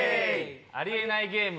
ありえないゲーム！